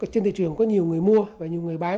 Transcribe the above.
trên thị trường có nhiều người mua và nhiều người bán